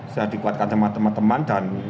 saya dikuatkan sama teman teman dan